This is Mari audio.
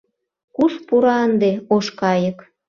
Куш пура ынде ош кайык...